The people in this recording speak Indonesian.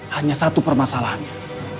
hanya satu permasalahannya